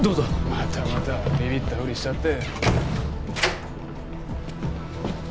またまたビビったふりしちゃって。